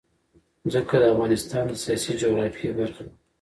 ځمکه د افغانستان د سیاسي جغرافیه برخه ده.